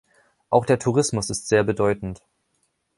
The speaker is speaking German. Auch der Tourismus ist sehr bedeutend.